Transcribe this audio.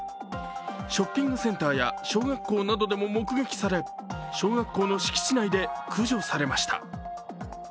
ショッピングセンターや小学校などでも目撃され、小学校の敷地内で駆除されました。